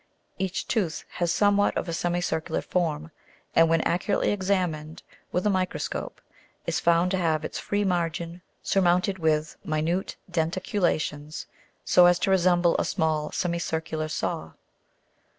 Each tooth has somewhat of a semi circular form, and, when accurately examined with a microscope, is found to have its free margin surmounted with minute denticulations so as to resemble a small semicircular saw (Jig.